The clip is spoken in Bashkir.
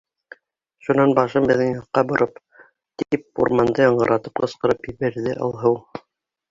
Шунан башын беҙҙең яҡҡа бороп. — тип урманды яңғыратып ҡысҡырып ебәрҙе Алһыу.